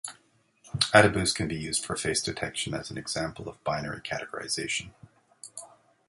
AdaBoost can be used for face detection as an example of binary categorization.